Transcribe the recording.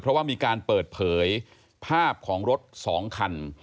เพราะว่ามีการเปิดเผยภาพของรถ๒คัน